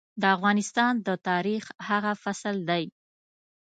د افغانستان د تاريخ هغه فصل دی.